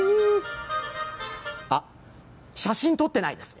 あ、写真撮ってないです。